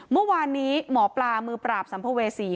เมื่อวานนี้หมอปลามือปราบสัมภเวษี